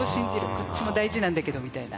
こっちも大事なんだけどみたいな。